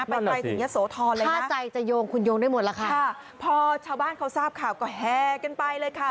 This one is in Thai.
ไปไกลถึงยะโสธรเลยนะใจจะโยงคุณโยงได้หมดแล้วค่ะพอชาวบ้านเขาทราบข่าวก็แห่กันไปเลยค่ะ